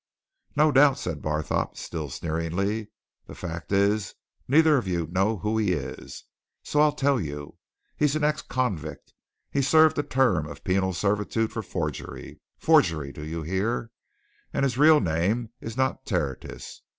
"No doubt!" said Barthorpe, still sneeringly. "The fact is, neither of you know who he is. So I'll tell you. He's an ex convict. He served a term of penal servitude for forgery forgery, do you hear? And his real name is not Tertius.